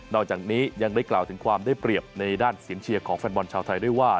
อกจากนี้ยังได้กล่าวถึงความได้เปรียบในด้านเสียงเชียร์ของแฟนบอลชาวไทยด้วยว่า